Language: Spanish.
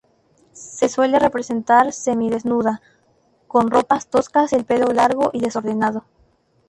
Se la suele representar semidesnuda, con ropas toscas y el pelo largo y desordenado.